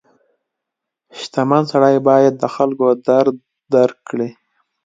• شتمن سړی باید د خلکو درد درک کړي.